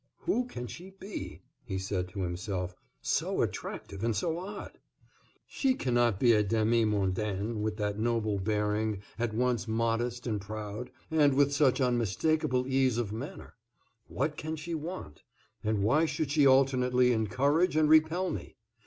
"Who can she be," he said to himself, "so attractive and so odd? She cannot be a demi mondaine, with that noble bearing, at once modest and proud, and with such unmistakable ease of manner. What can she want? And why should she alternately encourage and repel me?